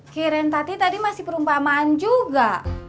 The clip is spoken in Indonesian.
kirin tati tadi masih perumpamaan juga